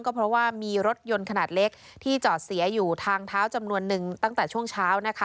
เพราะว่ามีรถยนต์ขนาดเล็กที่จอดเสียอยู่ทางเท้าจำนวนนึงตั้งแต่ช่วงเช้านะคะ